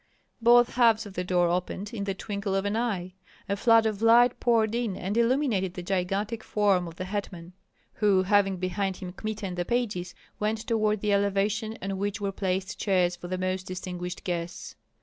Both halves of the door opened in the twinkle of an eye; a flood of light poured in and illuminated the gigantic form of the hetman, who having behind him Kmita and the pages, went toward the elevation on which were placed chairs for the most distinguished guests.